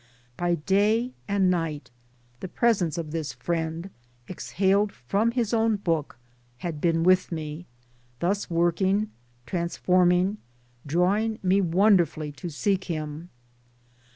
By day arid night the presence of this Friend, exhaled from his own book, had been with me thus working, transforming, drawing me wonderfully to seek him.